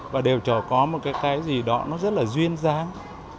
và đều trở có một cái cái gì đó nó rất là duyên dáng